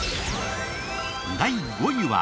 第５位は。